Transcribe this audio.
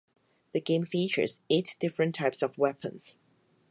The game features eight different types of weapons.